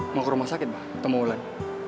mau ke rumah sakit mbak ketemu ulan